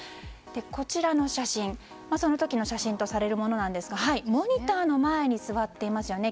こちらがその時の写真とされるものですがモニターの前に座っていますよね